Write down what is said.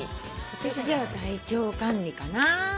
私じゃあ「体調管理」かな。